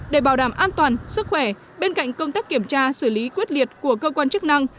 để bảo đảm an toàn sức khỏe bên cạnh công tác kiểm tra xử lý quyết liệt của cơ quan chức năng